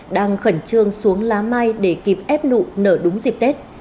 đang khẩn trương xuống lá mai để kịp ép nụ nở đúng dịp tết